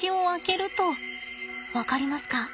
分かりますか？